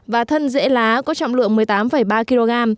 và thân dễ lá có trọng lượng một mươi tám ba kg